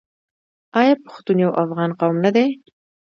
آیا پښتون یو افغان قوم نه دی؟